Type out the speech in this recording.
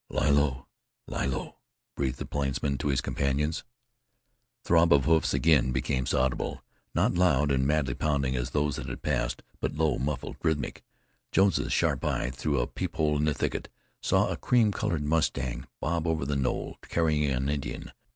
"Lie low! lie low!" breathed the plainsman to his companions. Throb of hoofs again became audible, not loud and madly pounding as those that had passed, but low, muffled, rhythmic. Jones's sharp eye, through a peephole in the thicket, saw a cream colored mustang bob over the knoll, carrying an Indian.